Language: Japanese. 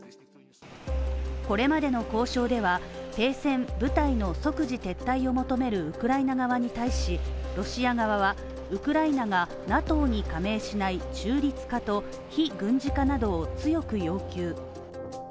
これまでの交渉では、停戦・部隊の即時撤退を求めるウクライナ側に対し、ロシア側は、ウクライナがＮＡＴＯに加盟しない中立化と非軍事化などを強く要求。